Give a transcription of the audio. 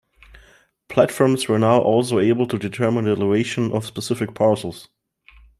Platforms were now also able to determine the elevation of specific parcels.